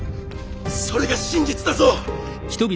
それが真実だぞ。